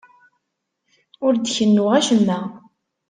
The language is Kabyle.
Ur d-kennuɣ acemma.